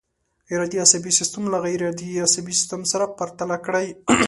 ارادي عصبي سیستم له غیر ارادي عصبي سیستم سره پرتله کړئ.